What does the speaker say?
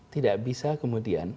tidak bisa kemudian